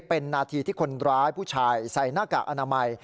เป็นนาทีที่คนร้ายผู้ชายใส่หน้ากากอนามัย